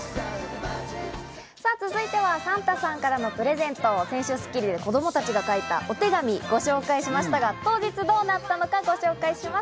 続いてはサンタさんからのプレゼント、先週『スッキリ』では子供たちが書いたお手紙、紹介しましたが当日どうなったのかご紹介します。